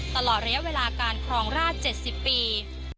ตลอดระยะเวลาการครองราช๗๐ปี